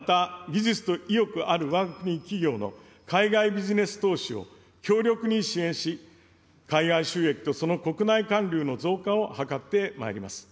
また技術と意欲あるわが国企業の海外ビジネス投資を強力に支援し、海外収益とその国内還流の増加を図ってまいります。